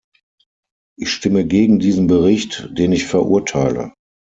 Ich stimme gegen diesen Bericht, den ich verurteile.